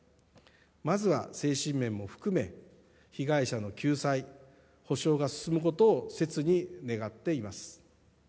まずは精神面も含め、被害者の救済、補償が進むことをせつに願っています。